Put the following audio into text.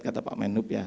kata pak menup ya